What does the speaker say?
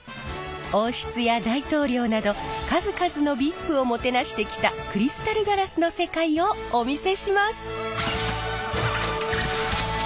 王室や大統領など数々のＶＩＰをもてなしてきたクリスタルガラスの世界をお見せします！